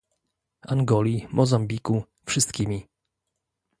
Angoli, Mozambiku, wszystkimi